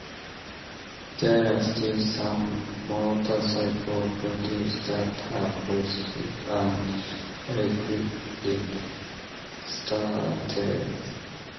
There are still some motorcycles produced that have both kick and electric starters.